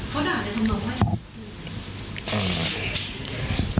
เขาด่าแต่ทำลงให้